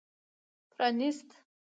پرانېست.